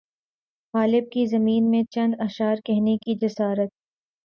غالب کی زمین میں چند اشعار کہنے کی جسارت